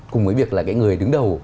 cùng với việc là người đứng đầu